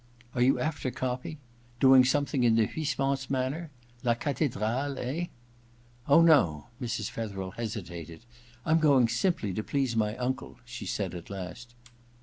Are you after copy— doing something in the Huysmans manner? *'La athcdrale," eh ?' *Oh, no.' Mrs. Fetherel hesitated. *rm going simply to please my uncle,' she said, at last.